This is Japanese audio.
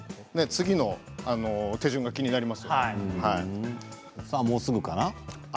次の手順が気になりますよね。